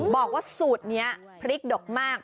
บอกว่าสูตรนี้พริกดกมาก